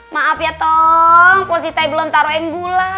maaf ya tong pos siti belum taroin gula